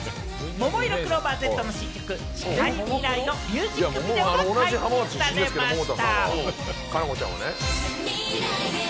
ももいろクローバーＺの新曲『誓い未来』のミュージックビデオが解禁されました。